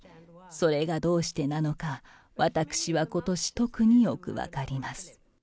それがどうしてなのか、私はことし特によく分かります。